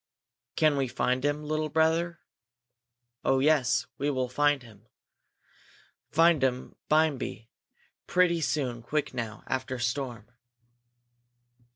"Can we find um, little brother?" "Oh, yes, we find um. Find um bimeby, pretty soon quick now, after storm."